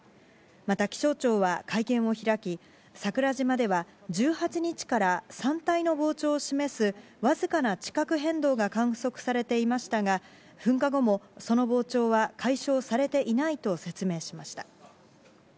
また、気象庁は会見を開き、桜島では１８日から山体の膨張を示す僅かな地殻変動が観測されていましたが、噴火後もその膨張は解消されていないと説明しました。